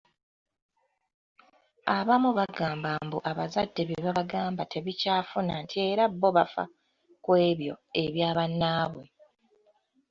Abamu bagamba mbu abazadde bye babagamba tebikyafuna nti era bo bafa ku ebyo ebya bannaabwe.